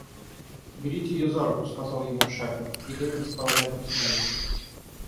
Берите ее за руку, — сказал ему шафер, и Левин стал рядом с невестой.